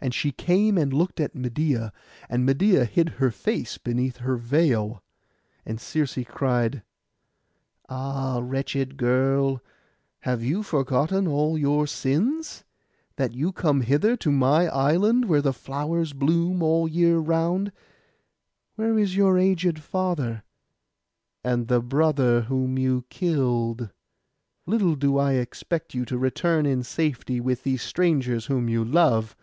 And she came and looked at Medeia; and Medeia hid her face beneath her veil. And Circe cried, 'Ah, wretched girl, have you forgotten all your sins, that you come hither to my island, where the flowers bloom all the year round? Where is your aged father, and the brother whom you killed? Little do I expect you to return in safety with these strangers whom you love.